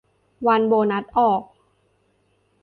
วันโบนัสออก